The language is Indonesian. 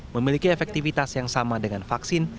memiliki efektivitas yang sama dengan vaksin